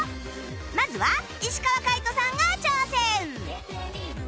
まずは石川界人さんが挑戦